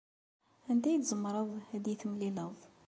Anda ay tzemreḍ ad iyi-temlileḍ?